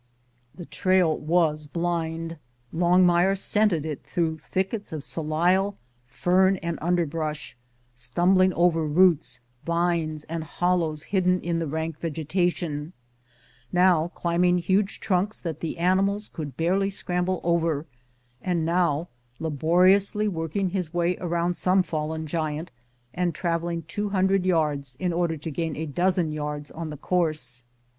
le trail was blind. Longmire scented it through thickets of salal, fern, and underbrush, stumbling over roots, vines, and hollows hidden in the rank vegetation, now climbing huge trunks that the animals could barely scramble over, and now laboriously working his way around some fallen giant and traveling two hundred yards in order to gain a dozen yards on the course.